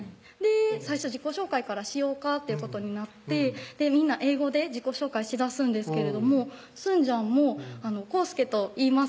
最初自己紹介からしようかっていうことになってみんな英語で自己紹介しだすんですけれどもすんじゃんも「康祐といいます」